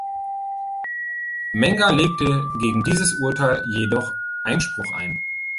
Menga legte gegen dieses Urteil jedoch Einspruch ein.